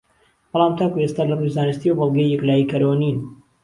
بەڵام تاکو ئێستا لەڕووی زانستییەوە بەڵگەی یەکلاییکەرەوە نین